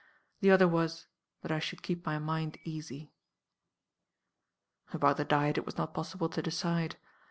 The other was, that I should keep my mind easy. "About the diet it was not possible to decide.